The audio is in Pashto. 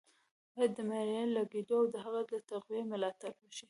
ـ بايد د معیاري لیکدود او د هغه د تقويې ملاتړ وشي